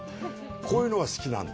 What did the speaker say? こういうのが好きなんで。